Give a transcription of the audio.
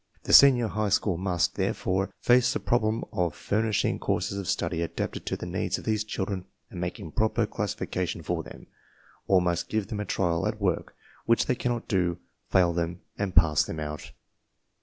The senior high school must, therefore, face the problem of furnishing courses of study adapted to the needs of these children and making proper classi fication for them, or must give them a trial at work which they cannot do, fail them, and pass them out.